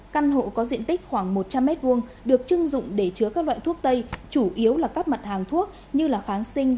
căn hộ có diện tích khoảng một trăm linh m hai được chưng dụng để chứa các loại thuốc tây chủ yếu là các mặt hàng thuốc như là kháng sinh